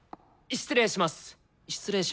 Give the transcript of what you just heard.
失礼します。